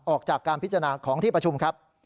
ออกจากการพิจารณาของที่ประชุมครับ